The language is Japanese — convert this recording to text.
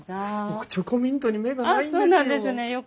僕チョコミントに目がないんですよ。